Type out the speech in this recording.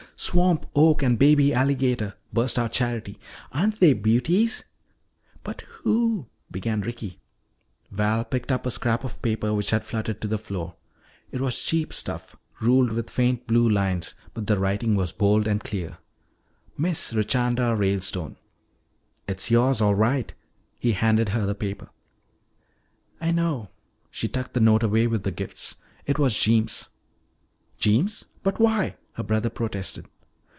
"Swamp oak and baby alligator," burst out Charity. "Aren't they beauties?" "But who " began Ricky. Val picked up a scrap of paper which had fluttered to the floor. It was cheap stuff, ruled with faint blue lines, but the writing was bold and clear: "Miss Richanda Ralestone." "It's yours all right." He handed her the paper. "I know." She tucked the note away with the gifts. "It was Jeems." "Jeems? But why?" her brother protested.